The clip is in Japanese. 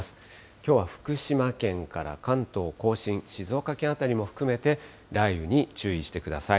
きょうは福島県から関東甲信、静岡県辺りも含めて雷雨に注意してください。